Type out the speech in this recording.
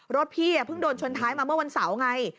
รถพี่เพิ่งโดนชนท้ายมาเมื่อวันเสาร์ไง